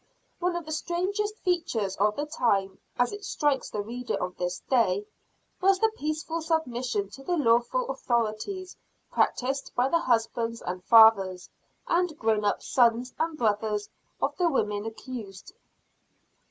One of the strangest features of the time, as it strikes the reader of this day, was the peaceful submission to the lawful authorities practised by the husbands and fathers, and grown up sons and brothers of the women accused.